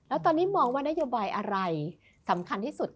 แล้วตอนนี้มองว่านโยบายอะไรสำคัญที่สุด